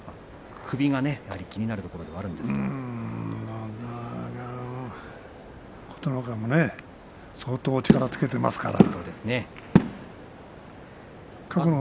首がやはり気になるところでは琴ノ若も相当力をつけていますから。